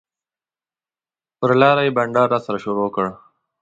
پر لاره یې بنډار راسره شروع کړ.